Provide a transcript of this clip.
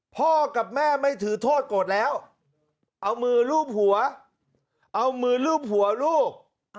พ่อกับแม่ไม่ถือโทษโกรธแล้วเอามือลูบหัวเอามือลูบหัวลูก